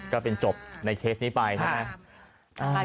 ก็เป็นจบในเคสนี้ไปนะ